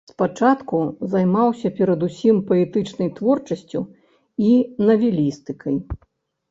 Спачатку займаўся перадусім паэтычнай творчасцю і навелістыкай.